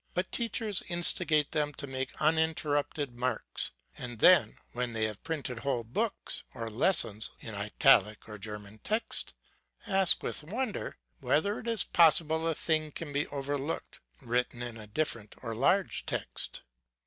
But teachers instigate them to make uninterrupted marks, KECOLLECTION. 375 and then, when they have printed whole books (or lessons) in italic or German text, ask, with wonder, " whether it is possible a thing can be overlooked, written in different or large text